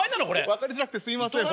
分かりづらくてすいません。